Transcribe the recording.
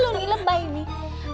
belum nih lebay nih